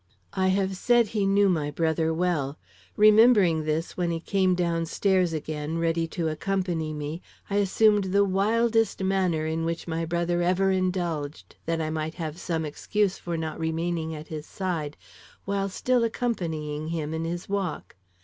"I have said he knew my brother well. Remembering this when he came down stairs again ready to accompany me, I assumed the wildest manner in which my brother ever indulged, that I might have some excuse for not remaining at his side while still accompanying him in his walk.